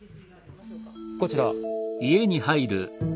こちら。